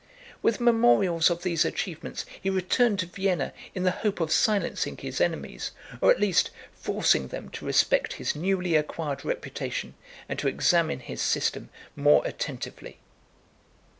With memorials of these achievements he returned to Vienna, in the hope of silencing his enemies, or at least forcing them to respect his newly acquired reputation, and to examine his system more attentively.